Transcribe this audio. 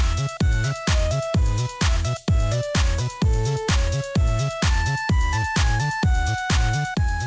สวัสดี